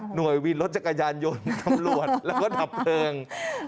วินรถจักรยานยนต์ตำรวจแล้วก็ดับเพลิง